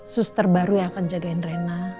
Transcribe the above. suster baru yang akan jagain rena